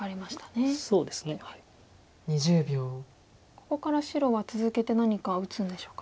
ここから白は続けて何か打つんでしょうか。